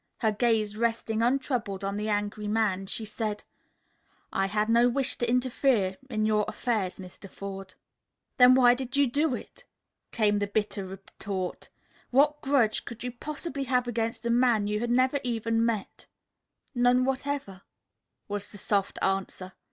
Her gaze resting untroubled on the angry man, she said: "I had no wish to interfere in your affairs, Mr. Forde." "Then why did you do it?" came the bitter retort. "What grudge could you possibly have against a man you had never even met?" "None whatever," was the soft answer.